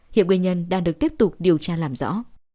hiện nguyên nhân đang được tiếp tục điều tra làm rõ